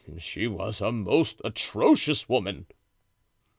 She was a most atrocious woman."